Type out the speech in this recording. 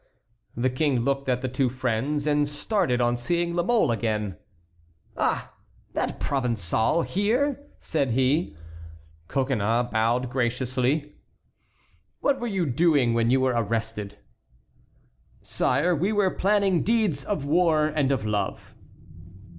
The King looked at the two friends and started on seeing La Mole again. "Ah! that Provençal here?" said he. Coconnas bowed graciously. "What were you doing when you were arrested?" asked the King. "Sire, we were planning deeds of war and of love."